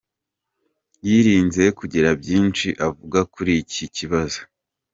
Yirinze kugira byinshi avuga kuri iki kibazo.